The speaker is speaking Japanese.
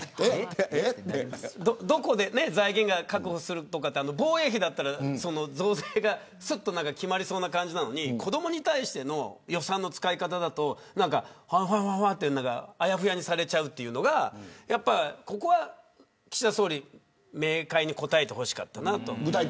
どこで財源を確保するとか防衛費なら増税がすっと決まりそうな感じなのに子どもに対しての予算の使い方だとふわふわとあやふやにされてしまうというのがここは岸田総理明快に答えてほしかったなと。